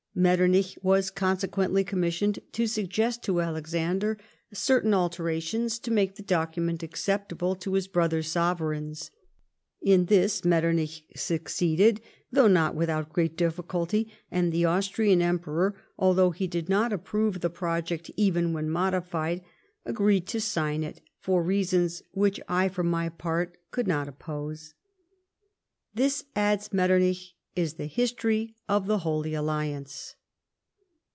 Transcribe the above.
Metternich was consequently commissioned to suggest to Alexander certain alterations to make the document acceptable to his brother sovereigns. In this Metternich succeeded, though " not without great ditficulty ;" and the Austrian Emperor, *' although he did not approve the project even when modified, agreed to sign it, for reasons which I, for my part, could not oppose." "This," adds Metternich, "is the history of the Holy Alliance."